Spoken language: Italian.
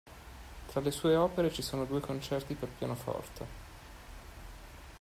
Tra le sue opere ci sono due concerti per pianoforte.